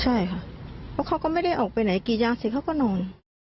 ใช่ค่ะเพราะเขาก็ไม่ได้ออกไปไหนกรีดยางเสร็จเขาก็นอน